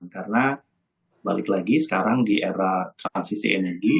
karena balik lagi sekarang di era transisi energi